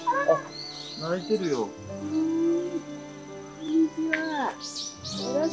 こんにちは。